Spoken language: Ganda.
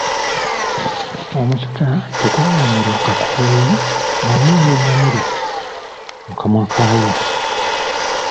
Omusota tegwawomerwa kakooyi wamu ne Namuli mu kamwa k'ayo.